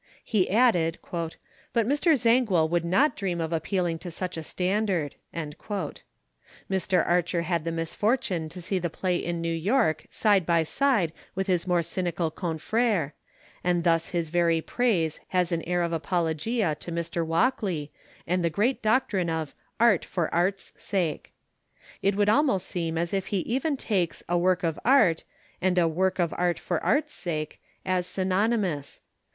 He added: "but Mr. Zangwill would not dream of appealing to such a standard." Mr. Archer had the misfortune to see the play in New York side by side with his more cynical confrère, and thus his very praise has an air of apologia to Mr. Walkley and the great doctrine of "art for art's sake." It would almost seem as if he even takes a "work of art" and a "work of art for art's sake" as synonymous.